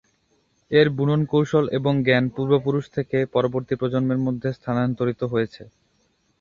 এর বুনন কৌশল এবং জ্ঞান পূর্বপুরুষ থেকে পরবর্তী প্রজন্মের মধ্যে স্থানান্তরিত হয়েছে।